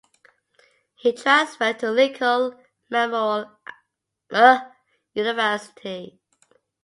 He transferred to Lincoln Memorial University.